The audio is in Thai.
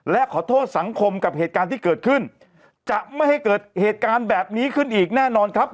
และขอโทษสังคมกับเหตุการณ์ที่เกิดขึ้นจะไม่ให้เกิดเหตุการณ์แบบนี้ขึ้นอีกแน่นอนครับ